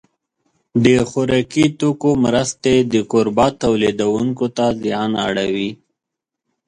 د خوراکي توکو مرستې د کوربه تولیدوونکو ته زیان اړوي.